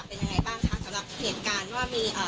เป็นยังไงบ้างคะสำหรับเหตุการณ์ว่ามีอ่า